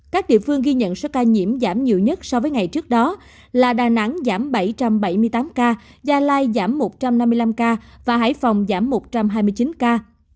các địa phương ghi nhận số ca nhiễm giảm nhiều nhất so với ngày trước đó là đà nẵng giảm bảy trăm bảy mươi tám ca gia lai giảm một trăm năm mươi năm ca và hải phòng giảm một trăm hai mươi chín ca